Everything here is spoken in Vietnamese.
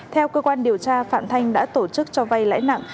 theo cơ quan điều tra phạm thanh đã tổ chức cho vay lãi nặng